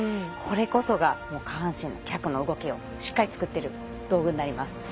これこそが下半身の動きをしっかり作っている道具になります。